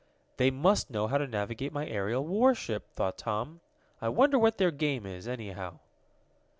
"They must know how to navigate my aerial warship," thought Tom. "I wonder what their game is, anyhow?"